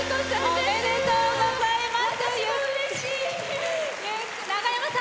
ありがとうございます。